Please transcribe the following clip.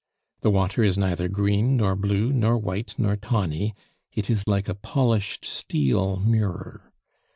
The water is neither green nor blue nor white nor tawny; it is like a polished steel mirror.